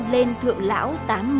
lên thượng lão tám mươi